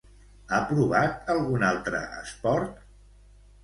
Ha provat algun altre esport?